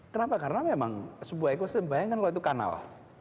kenapa karena memang sebuah ekosistem bayangkan kalau itu kanal